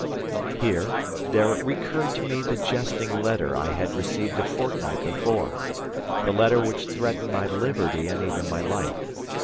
Here, there recurred to me the jesting letter I had received a fortnight before, the letter which threatened my liberty and even my life.